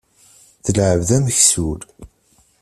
D lεebd ameksul.